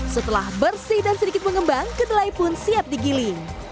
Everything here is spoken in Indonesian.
setelah bersih dan sedikit mengembang kedelai pun siap digiling